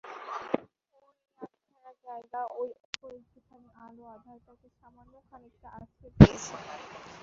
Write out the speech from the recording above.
ওর এই আধখানা জাগা, ঐ অল্প একটুখানি আলো আঁধারটাকে সামান্য খানিকটা আঁচড়ে দিয়েছে।